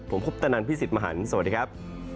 ผมพุทธนันทร์พี่สิทธิ์มหันสวัสดีครับ